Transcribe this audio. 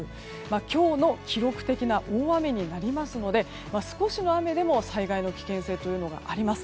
今日のような記録的な大雨になりますので少しの雨でも災害の危険性というのがあります。